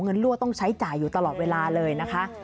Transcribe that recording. รั่วต้องใช้จ่ายอยู่ตลอดเวลาเลยนะคะ